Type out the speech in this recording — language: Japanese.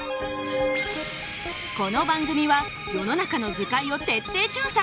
この番組は世の中の図解を徹底調査！